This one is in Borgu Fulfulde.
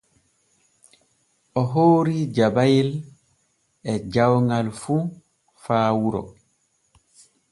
O hoori jabayel e jawŋal fu faa wuro.